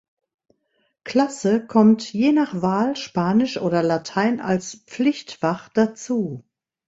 Klasse kommt je nach Wahl Spanisch oder Latein als Pflichtfach dazu.